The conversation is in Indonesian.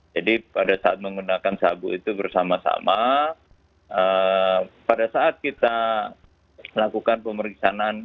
jadi pada saat menggunakan sabu itu bersama sama pada saat kita lakukan pemeriksaan